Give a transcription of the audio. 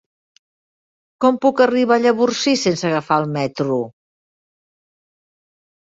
Com puc arribar a Llavorsí sense agafar el metro?